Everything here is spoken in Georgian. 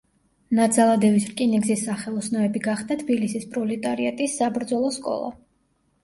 ნაძალადევის რკინიგზის სახელოსნოები გახდა თბილისის პროლეტარიატის საბრძოლო სკოლა.